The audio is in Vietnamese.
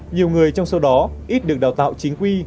nhiều người trong số đó ít được đào tạo chính quy